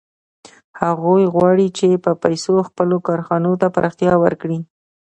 هغوی غواړي چې په پیسو خپلو کارخانو ته پراختیا ورکړي